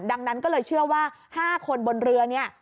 ดังนั้นก็เลยเชื่อว่า๕คนบนเรือเนี่ย